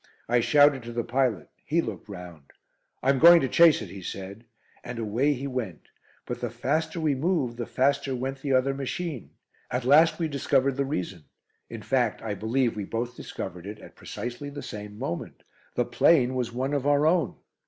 I shouted to the pilot. He looked round. "I'm going to chase it," he said. And away he went. But the faster we moved the faster went the other machine. At last we discovered the reason. In fact, I believe we both discovered it at precisely the same moment. _The plane was one of our own!